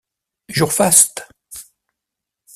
Jour faste.